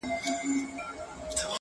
موږ د غني افغانستان په لور قدم ايښی دی!!